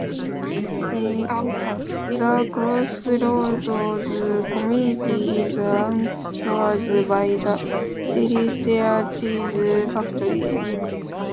The crossroads community is anchored by the Dairy State Cheese factory.